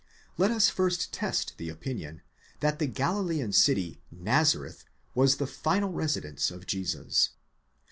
Let us first test the opinion, that the Galilean city Nazareth was the final residence of Jesus.